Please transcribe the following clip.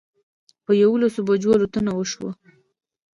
په یوولسو بجو الوتنه وشوه.